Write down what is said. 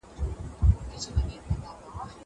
زه له سهاره چپنه پاکوم!!